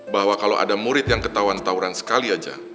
bahwa kalau ada murid yang ketahuan tauran sekali aja